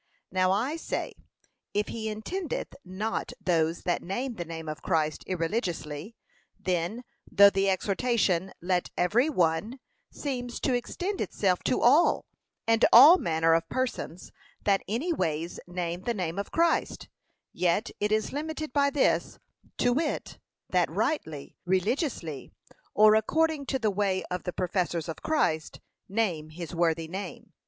Now I say, if he intendeth not those that name the name of Christ irreligiously, then, though the exhortation, 'let every one,' seems to extend itself to all, and all manner of persons, that any ways name the name of Christ, yet it is limited by this, to wit, that rightly, religiously, or according to the way of the professors of Christ, name his worthy name.